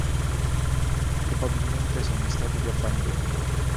Probabilmente sono in stato di abbandono.